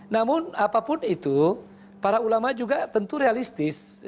namun apapun itu para ulama juga tentu realistis